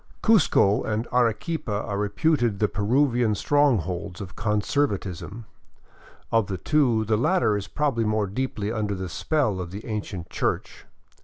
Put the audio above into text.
Cuzco and Arequipa are reputed the Peruvian strongholds of con servatism. Of the two, the latter is probably more deeply under the spell of the ancient church.